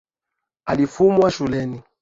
Alifumwa shuleni.